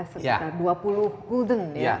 sekitar dua puluh gulden ya